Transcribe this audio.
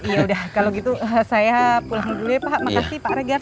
ya udah kalau gitu saya pulang dulu ya pak makasih pak regard